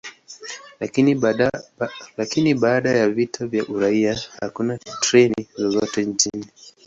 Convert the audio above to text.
Lakini baada ya vita vya uraia, hakuna treni zozote nchini.